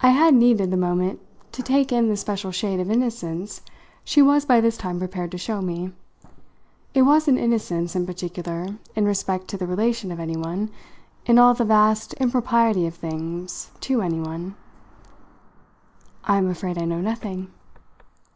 I had needed the moment to take in the special shade of innocence she was by this time prepared to show me. It was an innocence, in particular, in respect to the relation of anyone, in all the vast impropriety of things, to anyone. "I'm afraid I know nothing."